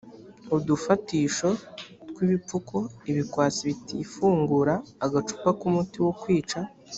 udufatisho tw ibipfuko ibikwasi bitifungura agacupa k umuti wo kwica